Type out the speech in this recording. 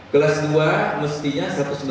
kelas dua mestinya satu ratus sembilan puluh